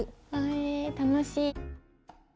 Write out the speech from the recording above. え楽しい！